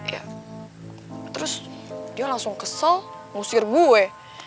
ya terus dia langsung kesel ngusir gue